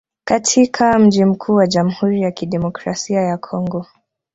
katika mji mkuu wa Jamhuri ya Kidemokrasia ya Kongo